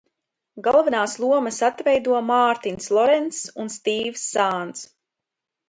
Galvenās lomas atveido Mārtins Lorenss un Stīvs Zāns.